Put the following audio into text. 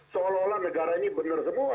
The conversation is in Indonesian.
seolah olah negara ini benar semua